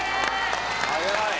早い。